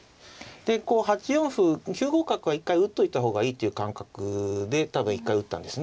でこう８四歩９五角は一回打っといた方がいいという感覚で一回打ったんですね。